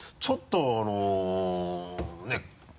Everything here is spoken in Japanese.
ちょっとあのね。